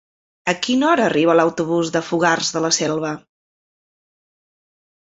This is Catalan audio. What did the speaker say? A quina hora arriba l'autobús de Fogars de la Selva?